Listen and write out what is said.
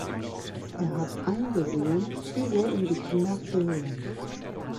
Er hat eingesehen wie sehr ihm die Kinder fehlen.